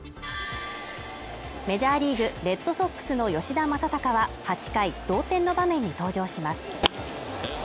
メジャーリーグ・レッドソックスの吉田正尚は８回、同点の場面に登場します。